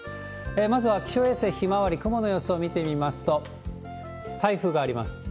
まずは気象衛星ひまわり、雲の様子を見てみますと、台風があります。